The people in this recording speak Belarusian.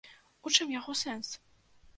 У чым яго сэнс?